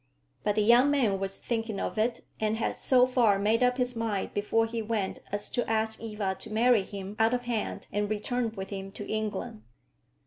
But the young man was thinking of it; and had so far made up his mind before he went as to ask Eva to marry him out of hand and return with him to England.